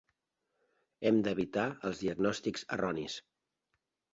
Hem d'evitar els diagnòstics erronis.